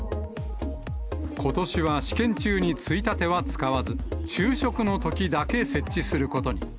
ことしは試験中についたては使わず、昼食のときだけ設置することに。